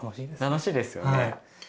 楽しいですよね。